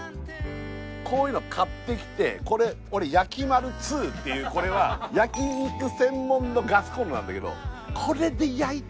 こういうのを買ってきてやきまるⅡっていうこれは焼き肉専門のガスコンロなんだけど。